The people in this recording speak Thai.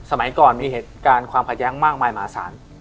สมัยก่อนมีเหตุการณ์ความขัดแย้งมากมายมหาศาล